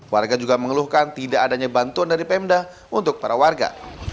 warga juga mengeluhkan tidak adanya bantuan dari pemda untuk para warga